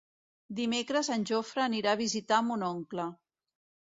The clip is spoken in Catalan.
Dimecres en Jofre anirà a visitar mon oncle.